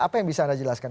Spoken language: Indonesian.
apa yang bisa anda jelaskan